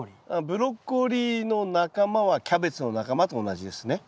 ブロッコリーの仲間はキャベツの仲間と同じですね？